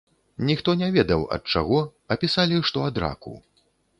Ніхто не ведаў, ад чаго, а пісалі, што ад раку.